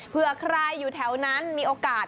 เพื่อใครอยู่แถวนั้นมีโอกาส